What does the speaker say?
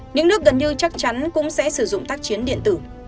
những nước gần như chắc chắn cũng sẽ sử dụng tác chiến điện tử